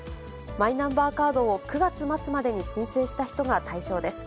マイナンバーカードを９月末までに申請した人が対象です。